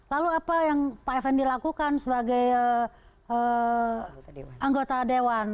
lalu apa yang pak effendi lakukan sebagai anggota dewan